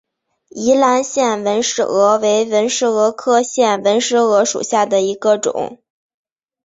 宜兰腺纹石娥为纹石蛾科腺纹石蛾属下的一个种。